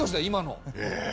今の。